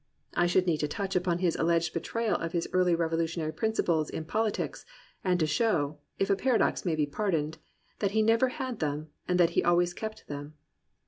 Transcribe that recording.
I should need to touch upon his alleged betrayal of his early revolutionary principles in politics, and to show, (if a paradox may be pardoned), that he never had them and that he always kept them.